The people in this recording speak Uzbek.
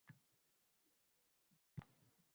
Do‘mboq muslimalarga o‘ychan tikilib qoldi.